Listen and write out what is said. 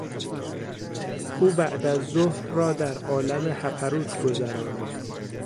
او بعد از ظهر را در عالم هپروت گذراند.